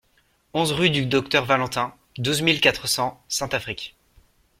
onze rue du Docteur Valentin, douze mille quatre cents Saint-Affrique